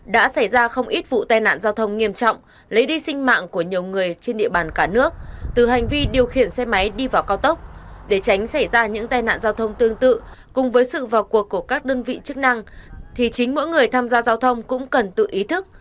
đã xảy ra không ít vụ tai nạn giao thông nghiêm trọng lấy đi sinh mạng của nhiều người trên địa bàn cả nước từ hành vi điều khiển xe máy đi vào cao tốc để tránh xảy ra những tai nạn giao thông tương tự cùng với sự vào cuộc của các đơn vị chức năng thì chính mỗi người tham gia giao thông cũng cần tự ý thức